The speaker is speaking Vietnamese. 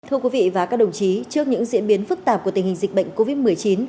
thưa quý vị và các đồng chí trước những diễn biến phức tạp của tình hình dịch bệnh covid một mươi chín